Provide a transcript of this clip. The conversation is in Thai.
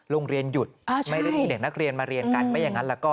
หยุดไม่ได้มีเด็กนักเรียนมาเรียนกันไม่อย่างนั้นแล้วก็